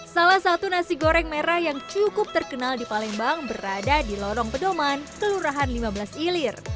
salah satu nasi goreng merah yang cukup terkenal di palembang berada di lorong pedoman kelurahan lima belas ilir